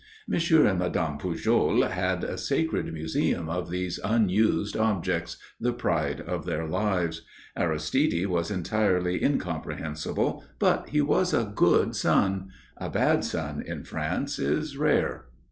Monsieur and Madame Pujol had a sacred museum of these unused objects the pride of their lives. Aristide was entirely incomprehensible, but he was a good son. A bad son in France is rare.